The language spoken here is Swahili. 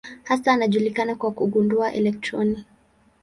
Hasa anajulikana kwa kugundua elektroni.